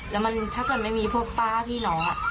แล้วมันถ้าเกิดไม่มีพวกป้าพี่น้อง